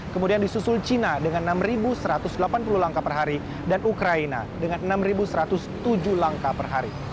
kemudian disusul china dengan enam satu ratus delapan puluh langkah per hari dan ukraina dengan enam satu ratus tujuh langkah per hari